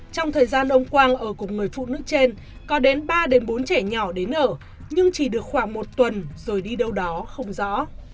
trong thời gian ông quang ở cùng người phụ nữ trên có đến ba bốn trẻ nhỏ đến ở nhưng chỉ được khoảng một tuần rồi đi đâu đó không rõ